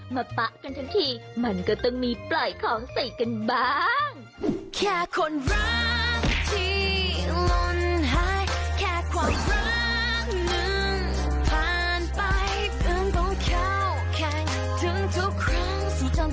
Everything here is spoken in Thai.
มาปะกันทั้งทีมันก็ต้องมีปล่อยของสิ่งกันบ้าง